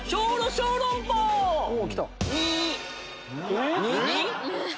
えっ⁉